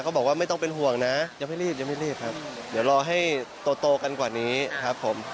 บอกว่าไม่ต้องเป็นห่วงนะยังไม่รีบยังไม่รีบครับเดี๋ยวรอให้โตโตกันกว่านี้ครับผม